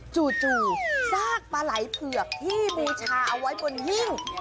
จู่ซากปลาไหล่เผือกที่บูชาเอาไว้บนหิ้ง